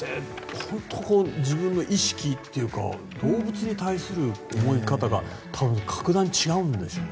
本当に自分の意識っていうか動物に対する思い方が多分、格段に違うんでしょうね。